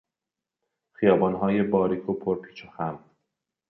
خیابانهای باریک و پرپیچ و خم